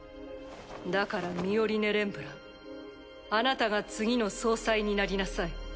だからミオリネ・レンブランあなたが次の総裁になりなさい。